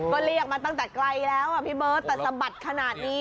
ก็เรียกมาตั้งแต่ไกลแล้วอ่ะพี่เบิร์ตแต่สะบัดขนาดนี้